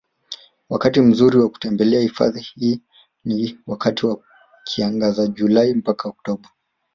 Wakati mzuri wa kutembelea hifadhi hii ni wakati wa kiangazi Julai mpaka Octoba